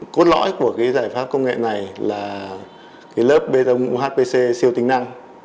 cốt lõi của giải pháp công nghệ này là lớp bê tông uhpc siêu tính năng